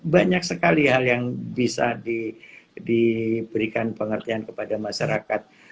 banyak sekali hal yang bisa diberikan pengertian kepada masyarakat